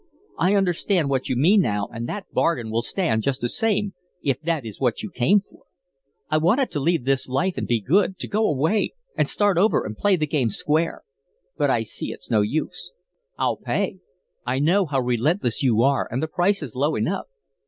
I understand what you mean now, and the bargain will stand just the same, if that is what you came for. I wanted to leave this life and be good, to go away and start over and play the game square, but I see it's no use. I'll pay. I know how relentless you are, and the price is low enough.